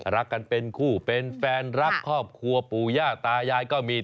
รักกันเป็นคู่เป็นแฟนรักครอบครัวปู่ย่าตายายก็มี